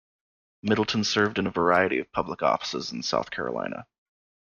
Middleton served in a variety of public offices in South Carolina.